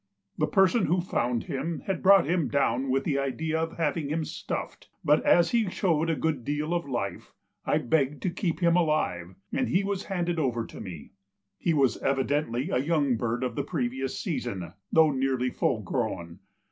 The person who found him had brought him down with the idea of having him stuffed, but as he showed a good deal of life, I begged to keep him alive, and he was handed over to me. He was evidently a young bird of the previous season, though nearly full grown.